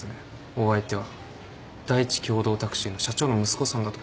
お相手は第一共同タクシーの社長の息子さんだとか。